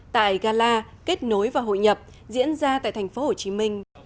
tại gala kết nối và hội nhập diễn ra tại tp hcm